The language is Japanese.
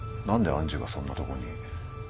何で愛珠がそんなとこに。